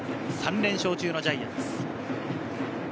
３連勝中のジャイアンツ。